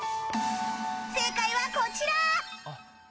正解は、こちら。